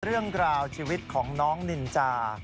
เรื่องราวชีวิตของน้องนินจา